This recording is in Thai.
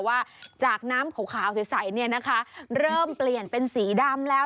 ว่าจากน้ำขาวใสเนี่ยนะคะเริ่มเปลี่ยนเป็นสีดำแล้ว